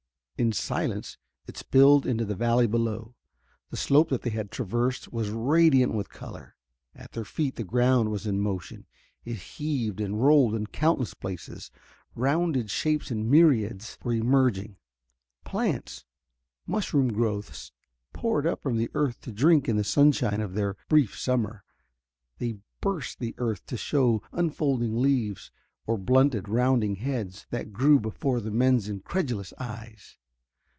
In silence it spilled into the valley below. The slope they had traversed was radiant with color. At their feet the ground was in motion: it heaved and rolled in countless places. Rounded shapes in myriads were emerging. Plants mushroom growths poured up from the earth to drink in the sunshine of their brief summer. They burst the earth to show unfolding leaves or blunted, rounding heads, that grew before the men's incredulous eyes.